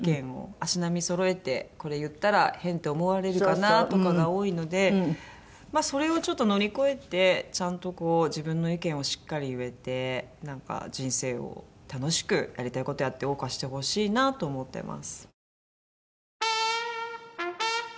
足並みそろえてこれ言ったら変と思われるかなとかが多いのでそれをちょっと乗り越えてちゃんとこう自分の意見をしっかり言えてなんか人生を楽しくやりたい事をやって謳歌してほしいなと思ってます。